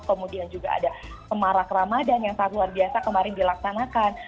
kemudian juga ada semarak ramadan yang sangat luar biasa kemarin dilaksanakan